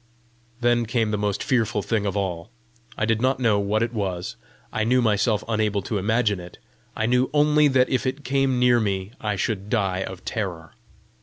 Then came the most fearful thing of all. I did not know what it was; I knew myself unable to imagine it; I knew only that if it came near me I should die of terror!